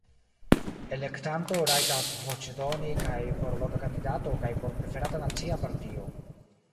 Elektanto rajtas voĉdoni kaj por loka kandidato kaj por preferata nacia partio.